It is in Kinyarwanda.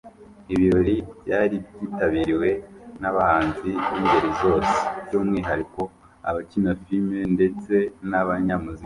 Ibi birori byari byitabiriwe n’abahanzi b’ingeri zose by’umwihariko abakina filime ndetse n’abanyamuziki